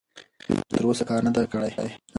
دوی لا تراوسه کار نه دی خلاص کړی.